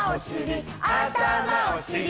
あたまおしり